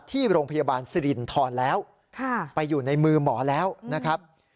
ที่โรงพยาบาลสิรินทรแล้วไปอยู่ในมือหมอแล้วนะครับ